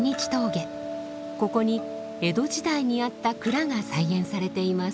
ここに江戸時代にあった蔵が再現されています。